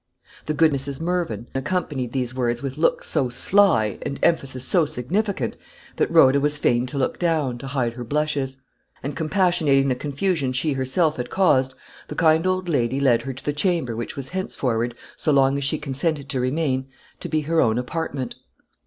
The good Mrs. Mervyn accompanied these words with looks so sly, and emphasis so significant, that Rhoda was fain to look down, to hide her blushes; and compassionating the confusion she herself had caused, the kind old lady led her to the chamber which was henceforward, so long as she consented to remain, to be her own apartment.